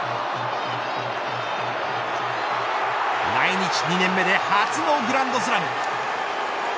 来日２年目で初のグランドスラム。